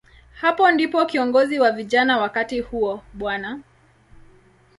Hapo ndipo kiongozi wa vijana wakati huo, Bw.